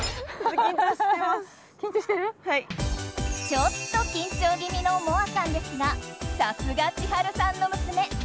ちょっと緊張気味の萌夢さんですがさすが千春さんの娘。